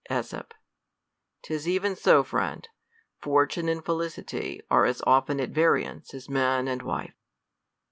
./E5. 'Tis even so, friend ; fortune and felicity are as often at variance as man and wife.